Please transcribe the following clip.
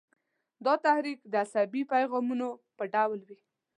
دا تحریک د عصبي پیغامونو په ډول وي.